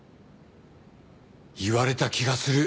言われた気がする。